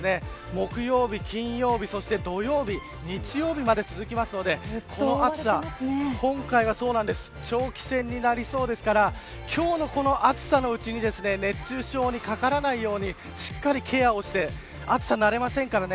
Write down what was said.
木曜日、金曜日、そして土曜日日曜日まで続くのでこの暑さ、今回は長期戦になりそうですから今日のこの暑さのうちに熱中症にかからないようにしっかりケアをして暑さに慣れませんからね。